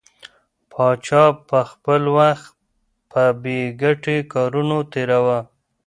پاچا به خپل وخت په بې ګټې کارونو تېراوه.